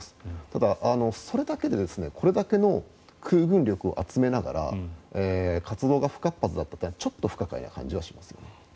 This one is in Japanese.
ただ、それだけでこれだけの空軍力を集めながら活動が不活発だったのはちょっと不可解な感じはします。